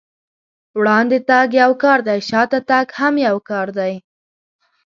وړاندې تګ يو کار دی، شاته تګ هم يو کار دی.